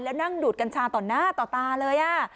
แล้วนั่งดูดกัญชาต่อหน้าต่อตาเลย